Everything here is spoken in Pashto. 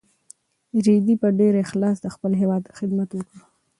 رېدي په ډېر اخلاص د خپل هېواد خدمت وکړ.